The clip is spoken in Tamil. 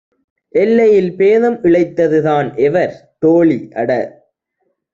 எல்லையில் பேதம் இழைத்தது தான் எவர்? தோழி - அட